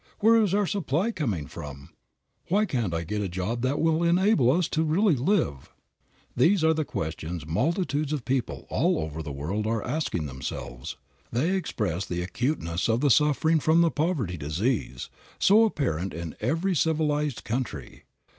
Where is our supply coming from? Why can't I get a job that will enable us to really live?" These are the questions multitudes of people all over the world are asking themselves. They express the acuteness of the suffering from the poverty disease, so apparent in every civilized country.